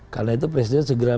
karena itu presiden segera